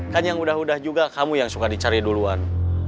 kan yang udah udah juga kamu yang suka dicari duluan